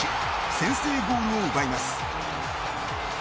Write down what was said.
先制ゴールを奪います。